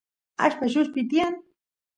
allpa lluspi tiyan